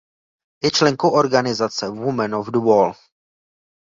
Je členkou organizace Women of the Wall.